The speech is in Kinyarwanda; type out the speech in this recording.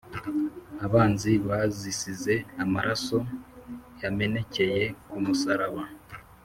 Abanzi bazisize amaraso yamenekeye kumusaraba